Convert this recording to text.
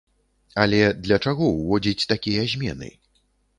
Але для чаго ўводзіць такія змены?